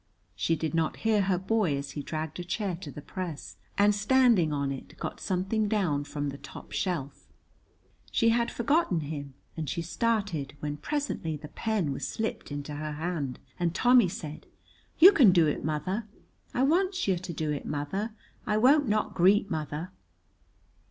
She did not hear her boy as he dragged a chair to the press and standing on it got something down from the top shelf. She had forgotten him, and she started when presently the pen was slipped into her hand and Tommy said, "You can do it, mother, I wants yer to do it, mother, I won't not greet, mother!"